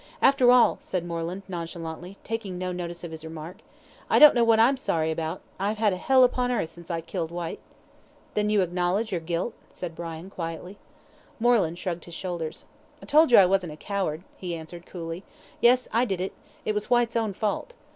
"After all," said Moreland, nonchalantly, taking no notice of his remark, "I don't know that I'm sorry about it. I've had a hell upon earth since I killed Whyte." "Then you acknowledge your guilt?" said Brian, quietly. Moreland shrugged his shoulders. "I told you I wasn't a coward," he answered, coolly. "Yes, I did it; it was Whyte's own fault.